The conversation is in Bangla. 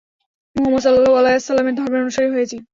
মুহাম্মদ সাল্লাল্লাহু আলাইহি ওয়াসাল্লামের ধর্মের অনুসারী হয়েছি।